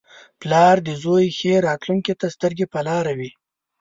• پلار د زوی ښې راتلونکې ته سترګې په لاره وي.